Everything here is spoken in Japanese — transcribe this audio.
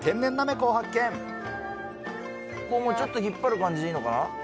これもう、ちょっと引っ張る感じでいいのかな？